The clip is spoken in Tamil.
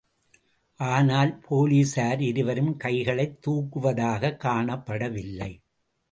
ஆனால் போலிஸார் இருவரும் கைகளைத்துக்குவதாகக் காணப்படவில்லை.